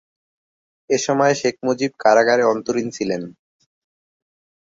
এসময় শেখ মুজিব কারাগারে অন্তরীণ ছিলেন।